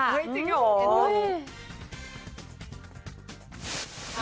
เฮ้ยจริงเหรอ